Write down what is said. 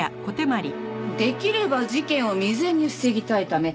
できれば事件を未然に防ぎたいため。